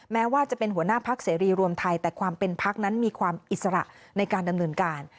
แม้ว่าจะเป็นหัวหน้าพักเสรีรวมไทยแต่ความเป็นพักนั้นมีความอิสระในการดำเนินการ